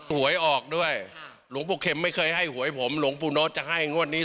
หวยออกด้วยหลวงปู่เข็มไม่เคยให้หวยผมหลวงปู่โน้ตจะให้งวดนี้